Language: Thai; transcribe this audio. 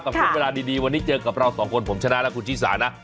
ถึงเวลาดีวันนี้เจอกับเราสองคนผมชนะและคุณชิสานะ